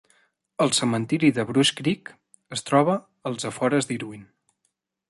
El cementiri de Brush Creek es troba als afores d'Irwin.